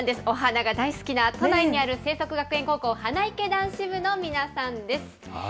お花が大好きな都内にある正則学園高校花いけ男子部の皆さんです。